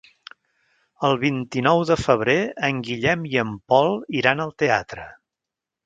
El vint-i-nou de febrer en Guillem i en Pol iran al teatre.